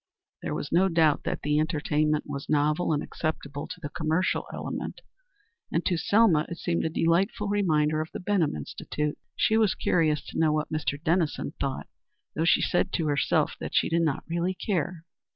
There was no doubt that the entertainment was novel and acceptable to the commercial element, and to Selma it seemed a delightful reminder of the Benham Institute. She was curious to know what Mr. Dennison thought, though she said to herself that she did not really care.